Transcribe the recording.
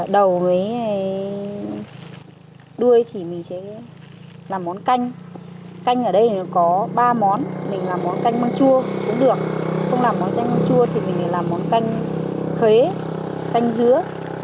đầu với đuôi thì mình chế làm món canh canh ở đây có ba món mình làm món canh măng chua cũng được không làm món canh măng chua thì mình làm món canh khế canh dứa